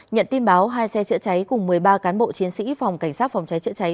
nhận tin báo hai xe chữa cháy cùng một mươi ba cán bộ chiến sĩ phòng cảnh sát phòng cháy chữa cháy